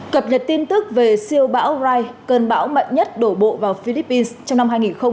cập nhật tin tức về siêu bão rai cơn bão mạnh nhất đổ bộ vào philippines trong năm hai nghìn hai mươi